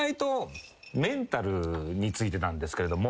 についてなんですけども。